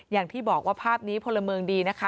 อย่างที่บอกว่าภาพนี้พลเมืองดีนะคะ